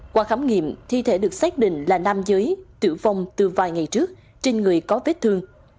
qua khám nghiệm thi thể được xác định là nam giới tử vong từ vài ngày trước trên người có vết thương